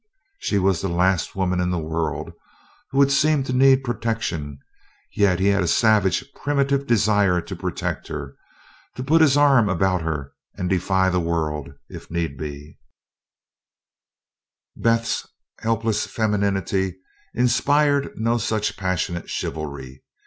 She was the last woman in the world who would seem to need protection, yet he had a savage primitive desire to protect her, to put his arm about her and defy the world, if need be. Beth's helpless femininity inspired no such passionate chivalry.